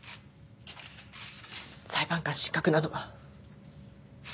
裁判官失格なのは。